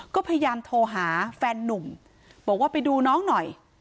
ก็พยายามโทรหาแฟนนุ่มบอกว่าไปดูน้องหน่อย